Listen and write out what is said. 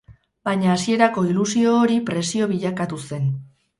Baina hasierako ilusio hori presio bilakatu zen.